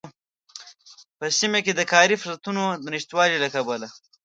په سيمه کې د کاری فرصوتونو د نشتوالي له کبله